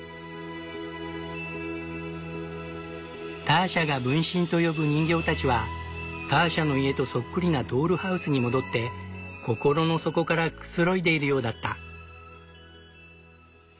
ターシャが分身と呼ぶ人形たちはターシャの家とそっくりなドールハウスに戻って心の底からくつろいでいるようだった。